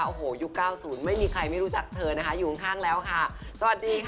โอโฮยุคกล้าวศูนย์ไม่มีใครไม่รู้จักเธอนะคะอยู่ข้างหลังแล้วค่ะ